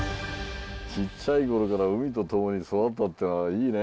ちっちゃい頃から海と共に育ったっていうのはいいね。